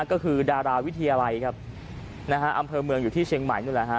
ก็คือดาราวิทยาลัยครับนะฮะอำเภอเมืองอยู่ที่เชียงใหม่นู่นแหละฮะ